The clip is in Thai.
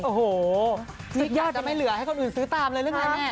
โอ้โหสุดยอดเลยนี่กัดจะไม่เหลือให้คนอื่นซื้อตามเลยเลยไหมแม่